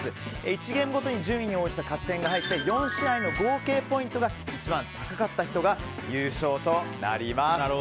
１ゲームごとに順位に応じた勝ち点が入って４試合の合計ポイントが一番高かった人が優勝となります。